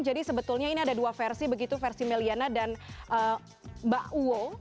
jadi sebetulnya ini ada dua versi begitu versi may liana dan mbak uwo